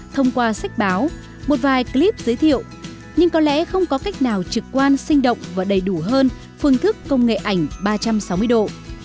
thông qua sách báo một vài clip giới thiệu nhưng có lẽ không có cách nào trực quan sinh động và đầy đủ hơn phương thức công nghệ ảnh ba trăm sáu mươi độ